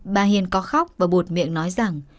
bà hiền có khóc và buột miệng nói rằng